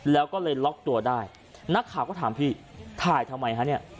แล้วก็เลยล็อกตัวได้นักข่าวก็ถามพี่ถ่ายทำไมฮะเนี่ย